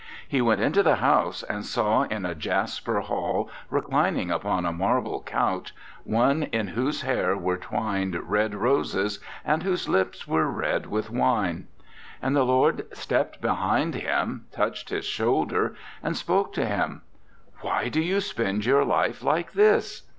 He went into the house and saw in a jasper hall reclining upon a marble couch one in whose hair were twined red roses and whose lips were red with wine. And the Lord stepped behind him, touched his shoulder and spoke to him: 'Why do you spend your life like this?'